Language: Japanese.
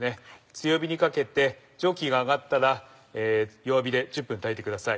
強火にかけて蒸気が上がったら弱火で１０分炊いてください。